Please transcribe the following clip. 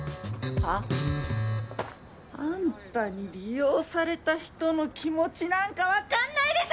は？あんたに利用された人の気持ちなんか分かんないでしょ